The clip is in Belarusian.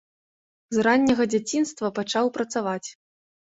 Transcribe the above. С ранняга дзяцінства пачаў працаваць.